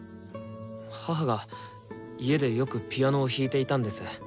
母が家でよくピアノを弾いていたんです。